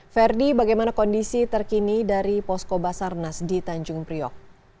ferdi bagaimana kondisi terkini dari posko basarnas di tanjung priok